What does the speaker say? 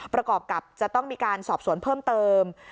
ประกอบกับจะต้องมีการสอบสวนเพิ่มเติม